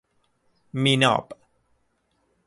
میناب